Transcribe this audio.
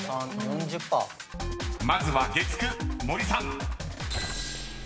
［まずは月９森さん］